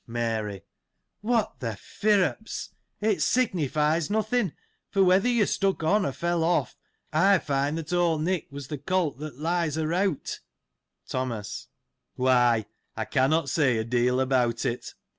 Mary. — What the firrups ! It signifies nothing ; for, whether, you stuck on, or fell off, I find, that old Nick was th' colt that lies areawt} Thomas. — Why, I cannot say a deal about it.